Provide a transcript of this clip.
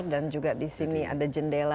dan juga di sini ada jendela